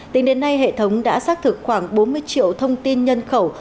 tính đến nay hệ thống đã xác thực khoảng bốn mươi triệu thông tin nhân khẩu